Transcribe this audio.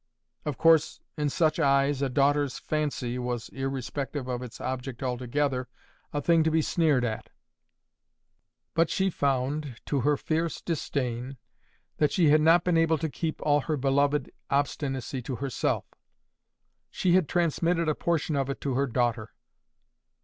Of course, in such eyes, a daughter's FANCY was, irrespective of its object altogether, a thing to be sneered at. But she found, to her fierce disdain, that she had not been able to keep all her beloved obstinacy to herself: she had transmitted a portion of it to her daughter.